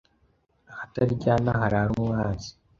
ahataryana harare umwanzi